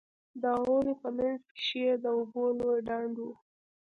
د غولي په منځ کښې يې د اوبو لوى ډنډ و.